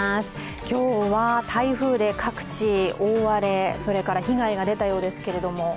今日は台風で各地、大荒れ、それから被害が出たようですけども。